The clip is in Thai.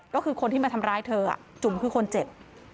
ก็คือคนที่มาทำร้ายเธอจุ๋มคือคนเจ็บ